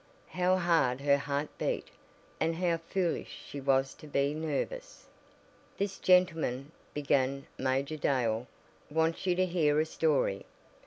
How hard her heart beat! And how foolish she was to be nervous! "This gentleman," began Major Dale, "wants you to hear a story.